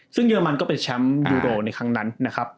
ซึ่งเยอรมันก็เป็นแชมป์ยูโรในครั้งนั้นนะครับ